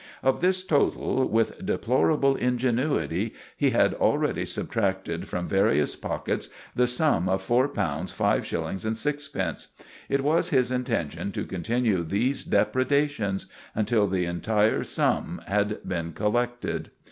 Of this total, with deplorable ingenuity, he had already subtracted from various pockets the sum of four pounds five shillings and sixpence; it was his intention to continue these depredations until the entire sum had been collected.